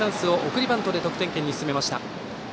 送りバントで得点圏に進めました。